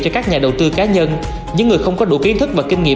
cho các nhà đầu tư cá nhân những người không có đủ kiến thức và kinh nghiệm